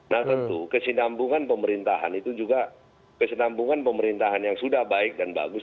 nah tentu kesinambungan pemerintahan itu juga kesenambungan pemerintahan yang sudah baik dan bagus